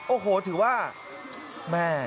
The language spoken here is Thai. โอ้โหถือว่าแม่